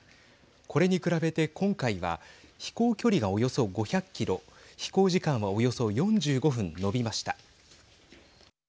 これに比べて今回は飛行距離がおよそ５００キロ飛行時間はおよそ４５分伸びました。